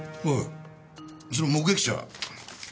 おいその目撃者。